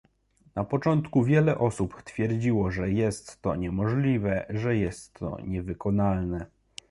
Na początku wiele osób twierdziło, że jest to niemożliwe, że jest to niewykonalne